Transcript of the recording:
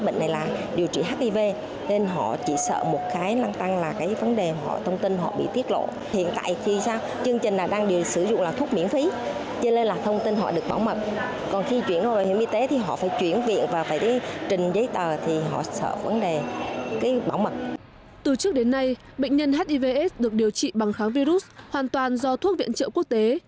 từ trước đến nay bệnh nhân hiv aids được điều trị bằng kháng virus hoàn toàn do thuốc viện trợ quốc tế